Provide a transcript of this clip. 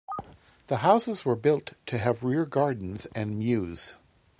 The houses were built to have rear gardens and mews.